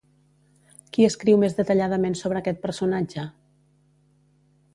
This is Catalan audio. Qui escriu més detalladament sobre aquest personatge?